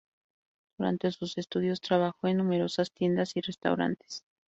Durante sus estudios, trabajó en numerosas tiendas y restaurantes.